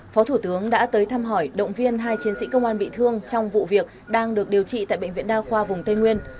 phó thủ tướng đã tới thăm hỏi động viên hai chiến sĩ công an bị thương trong vụ việc đang được điều trị tại bệnh viện đa khoa vùng tây nguyên